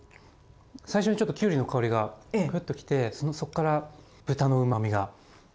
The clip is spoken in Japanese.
最初にちょっときゅうりの香りがグッと来てそっから豚のうまみが来て。